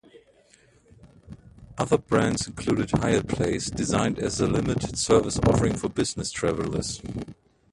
Other brands include Hyatt Place, designed as a limited service offering for business travelers.